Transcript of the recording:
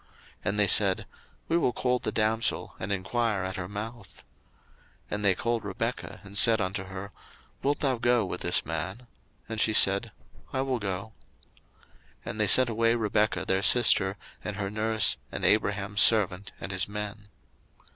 01:024:057 And they said, We will call the damsel, and enquire at her mouth. 01:024:058 And they called Rebekah, and said unto her, Wilt thou go with this man? And she said, I will go. 01:024:059 And they sent away Rebekah their sister, and her nurse, and Abraham's servant, and his men.